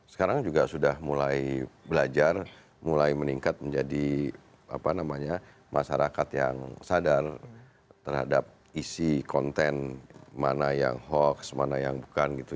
sekarang juga sudah mulai belajar mulai meningkat menjadi apa namanya masyarakat yang sadar terhadap isi konten mana yang hoax mana yang bukan gitu